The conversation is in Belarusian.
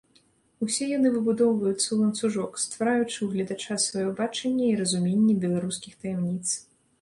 Усе яны выбудоўваюцца ў ланцужок, ствараючы ў гледача сваё бачанне і разуменне беларускіх таямніц.